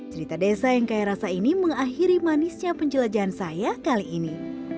cerita desa yang kaya rasa ini mengakhiri manisnya penjelajahan saya kali ini